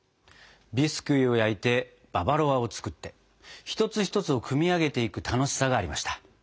ビスキュイを焼いてババロアを作って一つ一つを組み上げていく楽しさがありました。